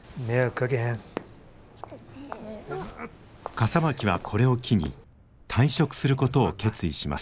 笠巻はこれを機に退職することを決意します。